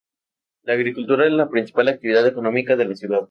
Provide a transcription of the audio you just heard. La agricultura es la principal actividad económica de la ciudad.